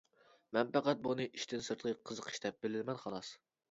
مەن پەقەت بۇنى ئىشتىن سىرتقى قىزىقىش دەپ بىلىمەن خالاس!